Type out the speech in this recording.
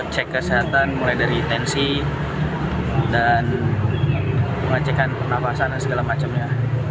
cek kesehatan mulai dari tensi dan pengecekan pernafasan dan segala macamnya